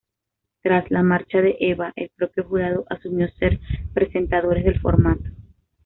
Tras la marcha de Eva, el propio jurado asumió ser presentadores del formato.